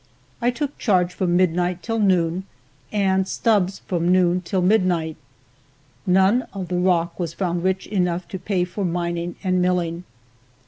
I took charge from midnight till noon and Stubbs from noon till midnight. None of the rock was found rich enough to pay for mining and milling.